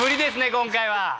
今回は。